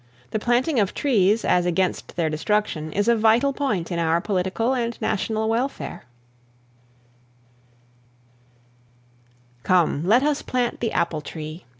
The planting of trees as against their destruction is a vital point in our political and national welfare. William Cullen Bryant (1794 1878). Come, let us plant the apple tree.